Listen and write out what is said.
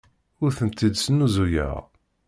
Ur tent-id-snuzuyeɣ.